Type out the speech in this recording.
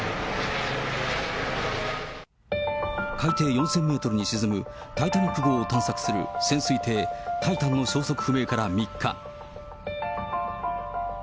海底４０００メートルに沈むタイタニック号を探索する潜水艇、タイタンの消息不明から３日。